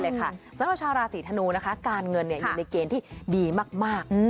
นำมาธนูชาวราษีธนูการเงินอยู่ในเกณฑ์ที่ดีมาก